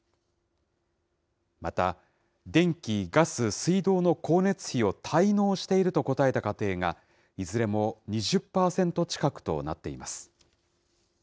また、電気・ガス・水道の光熱費を滞納していると答えた家庭が、いずれも２０％近くとなっています。